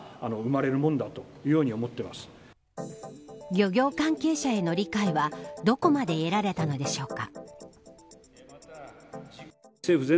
漁業関係者への理解はどこまで得られたのでしょうか。